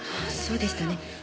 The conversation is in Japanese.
そうでしたね。